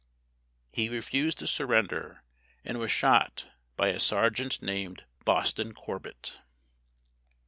He refused to surrender and was shot by a sergeant named Boston Corbett.